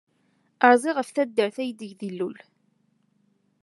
Rziɣ ɣef taddart aydeg d-ilul.